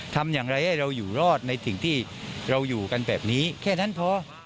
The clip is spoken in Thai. ทำอย่างไรให้เราอยู่รอดในสิ่งที่เราอยู่กันแบบนี้แค่นั้นพอ